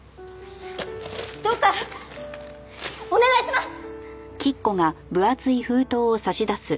どうかお願いします！